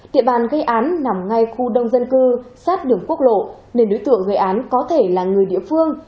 địa bàn gây án nằm ngay khu đông dân cư sát đường quốc lộ nên đối tượng gây án có thể là người địa phương